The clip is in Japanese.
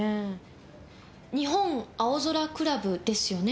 日本青空クラブですよね？